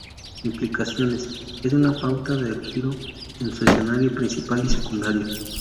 Implicaciones: Es una pauta de giro en su escenario principal y secundario.